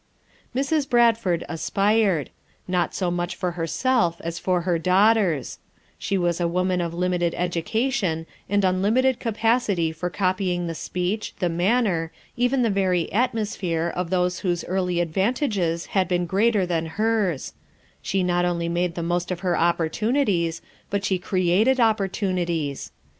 Mrs. Bradford aspired; not so much for her self as for her daughters; she was a woman of limited education and unlimited capacity 36 FOUR MOTHERS AT CHAUTAUQUA for copying the speech, the manner, oven the very atmosphere of those whoso early advan tages had been greater than hers; she not only made the most of her opportunities, but she created opportunities.